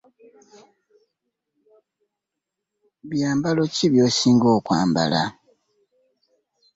Byambalo ki by'osinga okwambala?